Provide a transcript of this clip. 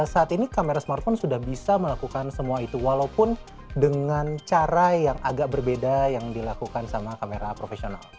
saat ini kamera smartphone sudah bisa melakukan semua itu walaupun dengan cara yang agak berbeda yang dilakukan sama kamera profesional